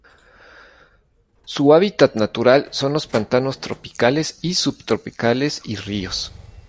Su hábitat natural son los pantanos tropicales y subtropicales y ríos.